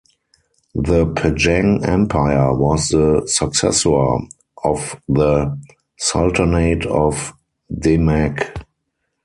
The Pajang Empire was the successor of the Sultanate of Demak.